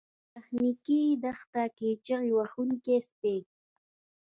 په تخنیکي دښته کې چیغې وهونکي سپي